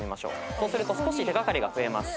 そうすると少し手掛かりが増えます。